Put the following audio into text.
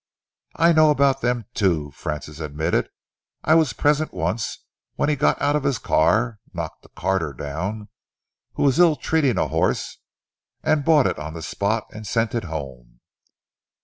"I know about them, too," Francis admitted. "I was present once when he got out of his car, knocked a carter down who was ill treating a horse, bought it on the spot and sent it home."